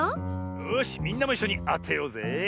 よしみんなもいっしょにあてようぜえ！